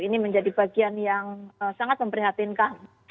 ini menjadi bagian yang sangat memprihatinkan